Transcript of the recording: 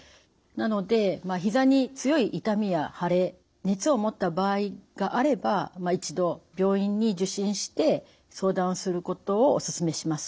なのでひざに強い痛みや腫れ熱をもった場合があれば一度病院に受診して相談することをおすすめします。